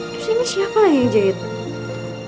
terus ini siapa yang jahit